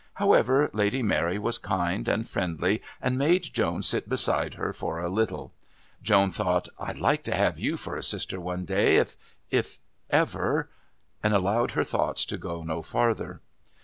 However, Lady Mary was kind and friendly and made Joan sit beside her for a little. Joan thought, "I'd like to have you for a sister one day, if if ever " and allowed her thoughts to go no farther.